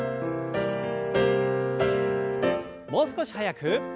もう少し速く。